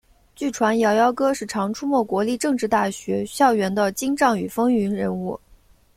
据传摇摇哥是常出没国立政治大学校园的精障与风云人物。